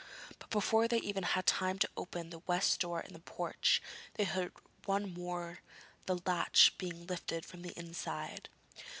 But before they even had time to open the west door in the porch, they heard once more the latch being lifted from the inside.